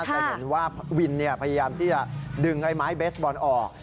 จะเห็นว่าวินพยายามที่จะดึงไอ้ไม้เบสบอลออก